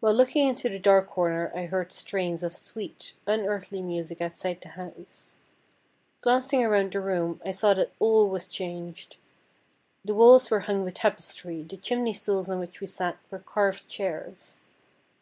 While looking into the dark corner I heard strains of sweet, unearthly music outside the house. Glancing around the room, I saw that all was changed. The walls were hung with tapestry, the chimney stools on which we sat were carved chairs.